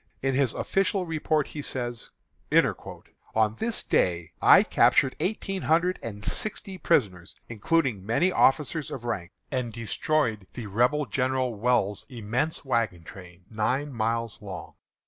In his official report he says: "On this day I captured eighteen hundred and sixty prisoners, including many officers of rank, and destroyed the Rebel General Ewell's immense wagon train, nine miles long."